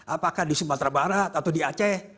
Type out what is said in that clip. apakah di sumatera barat atau di aceh